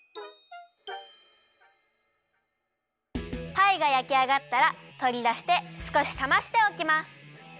パイがやきあがったらとりだしてすこしさましておきます。